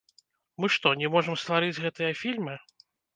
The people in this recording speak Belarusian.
Мы што, не можам стварыць гэтыя фільмы?